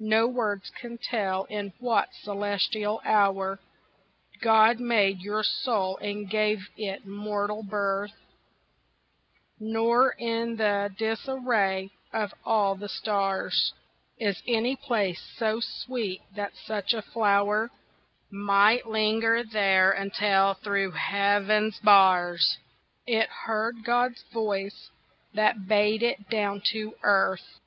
No words can tell in what celestial hour God made your soul and gave it mortal birth, Nor in the disarray of all the stars Is any place so sweet that such a flower Might linger there until thro' heaven's bars, It heard God's voice that bade it down to earth.